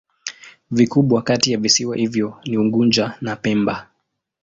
Vikubwa kati ya visiwa hivyo ni Unguja na Pemba.